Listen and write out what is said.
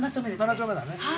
７丁目だね。